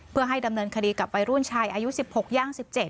เพื่อให้ดำเนินคดีกับวัยรุ่นชายอายุ๑๖ย่าง๑๗